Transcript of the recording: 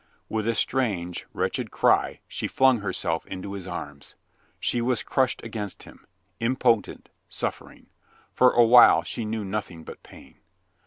With a strange, wretched cry she flung herself into his arms. She was crushed against him, impotent, sufi"ering. .. for a while she knew nothing but pain.